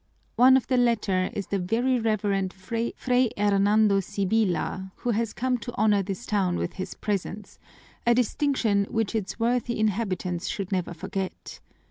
One of the latter is the Very Reverend Fray Hernando Sibyla, who has come to honor this town with his presence, a distinction which its worthy inhabitants should never forget.